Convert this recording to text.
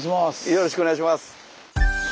よろしくお願いします。